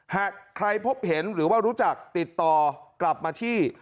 หากใครพบเห็นหรือว่ารู้จักติดต่อกลับมาที่